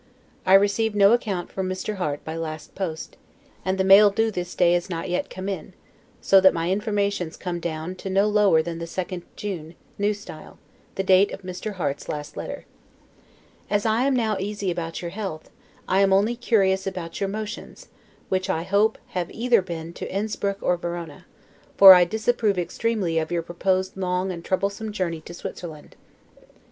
I received no account from Mr. Harte by last post, and the mail due this day is not yet come in; so that my informations come down no lower than the 2d June, N. S., the date of Mr. Harte's last letter. As I am now easy about your health, I am only curious about your motions, which I hope have been either to Inspruck or Verona; for I disapprove extremely of your proposed long and troublesome journey to Switzerland.